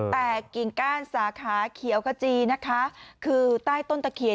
แต่กิ่งก้านสาขาเขียวขจีนะคะคือใต้ต้นตะเคียน